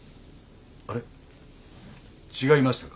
あれ違いましたか？